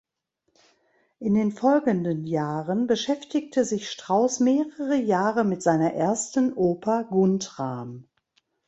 In den folgenden Jahren beschäftigte sich Strauss mehrere Jahre mit seiner ersten Oper Guntram.